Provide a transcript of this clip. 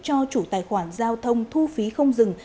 cho chủ tài khoản giao thông thu phí không dừng